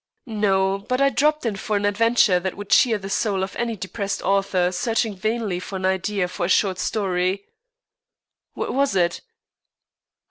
"No, but I dropped in for an adventure that would cheer the soul of any depressed author searching vainly for an idea for a short story." "What was it?"